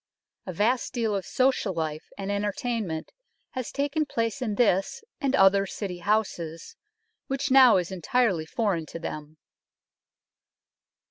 A vast deal of social life and entertainment has taken place in this and other City houses, which now is en tirely foreign to them.